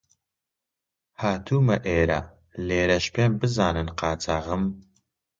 هاتوومە ئێرە، لێرەش پێم بزانن قاچاغم